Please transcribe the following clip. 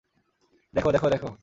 দেখ দেখ দেখ!